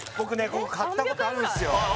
ここ買ったことあるんですえっ